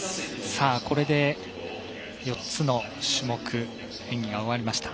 さあ、これで４つの種目の演技が終わりました。